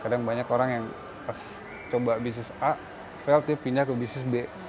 kadang banyak orang yang pas coba bisnis a real tim pindah ke bisnis b